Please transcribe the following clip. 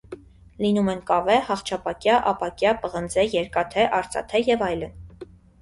Լինում են կավե, հախճապակյա, ապակյա, պղնձե, երկաթե, արծաթե և այլն։